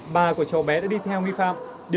ba của cháu bé đã đi theo nghi phạm